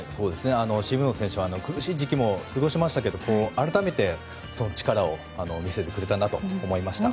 渋野選手は苦しい時期も過ごしましたけど改めて、その力を見せてくれたなと思いました。